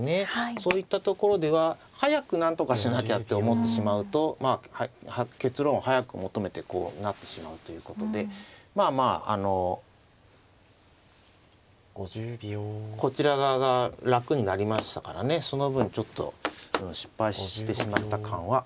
そういったところでは早くなんとかしなきゃと思ってしまうと結論早く求めてこうなってしまうということでまあまああのこちら側が楽になりましたからねその分ちょっと失敗してしまった感はありますね。